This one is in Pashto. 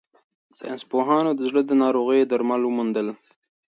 ساینس پوهانو د زړه د ناروغیو درمل وموندل.